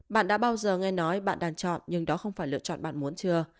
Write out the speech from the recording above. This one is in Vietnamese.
bạn đã bao giờ nghe nói bạn đàn chọn nhưng đó không phải lựa chọn bạn muốn chưa